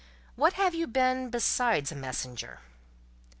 "What have you been, besides a messenger?"